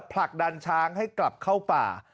ผลักดันช้างให้กลับเข้าป่า